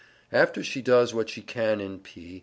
After she does what she can in P.